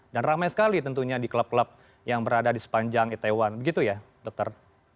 dan ramai sekali tentunya di klub klub yang berada di sepanjang itaewon begitu ya dr